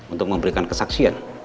untuk memberikan kesaksian